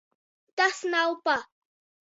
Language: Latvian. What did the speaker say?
Tas nav pa